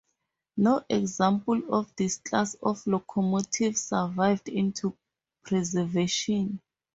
No examples of this class of locomotive survived into preservation.